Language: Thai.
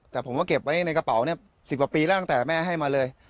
แต่ผมก็เก็บไว้ในกระเป๋า๑๐กว่าปีแล้วตั้งแต่แม่ให้มาเลย